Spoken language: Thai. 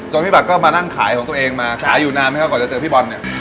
พี่บัตรก็มานั่งขายของตัวเองมาขายอยู่นานไหมครับก่อนจะเจอพี่บอลเนี่ย